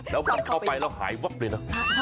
แล้วมันเข้าไปแล้วหายวับเลยนะ